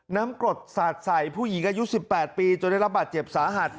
น้ำกรดสาดใสผู้หญิงอายุสิบแปดปีจนได้รับบาดเจ็บสาหัส